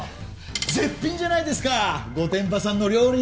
絶品じゃないですか御殿場さんの料理！